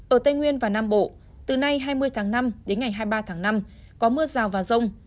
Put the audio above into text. ở tây nguyên và nam bộ từ nay hai mươi tháng năm đến ngày hai mươi ba tháng năm có mưa rào và rông